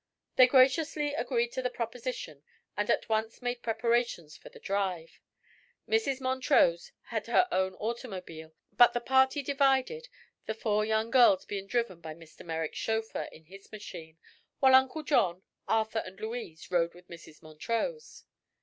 They graciously agreed to the proposition and at once made preparations for the drive. Mrs. Montrose had her own automobile, but the party divided, the four young girls being driven by Mr. Merrick's chauffeur in his machine, while Uncle John, Arthur and Louise rode with Mrs. Montrose.